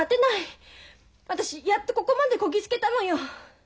私やっとここまでこぎ着けたのよ。